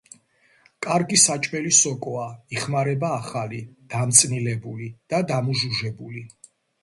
კარგი საჭმელი სოკოა, იხმარება ახალი, დამწნილებული და დამუჟუჟებული.